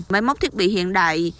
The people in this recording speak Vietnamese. máy móc thiết bị hiện đại